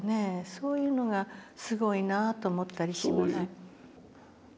そういうのがすごいなと思ったりします。